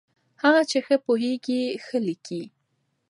هغه چې ښه پوهېږي، ښه لیکي.